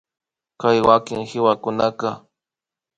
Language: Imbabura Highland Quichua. Kay wakin kiwakunaka